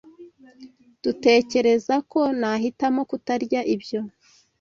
Dutekereza ko nahitamo kutarya ibyo.